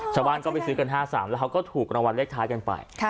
ชาวบ้านก็ไปซื้อกัน๕๓แล้วเขาก็ถูกรางวัลเลขท้ายกันไป